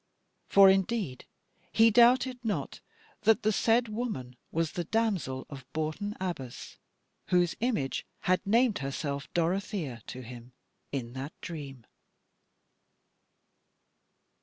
For indeed he doubted not that the said woman was the damsel of Bourton Abbas, whose image had named herself Dorothea to him in that dream.